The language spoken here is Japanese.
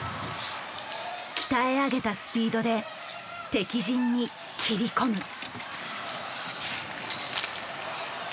鍛え上げたスピードで敵陣に切り込む。